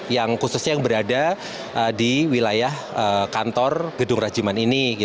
yang khususnya yang berada di wilayah kantor gedung rajiman ini